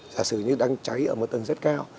giả sử như đang cháy ở một tầng rất cao